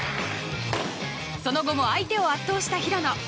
その後も相手を圧倒した平野。